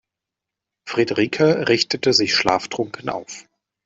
Friederike richtete sich schlaftrunken auf.